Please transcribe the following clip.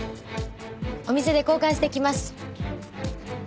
お店で交換してきます。